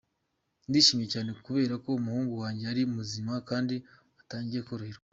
Ndishimye cyane kubera ko umuhungu wanjye ari muzima kandi atangiye koroherwa”.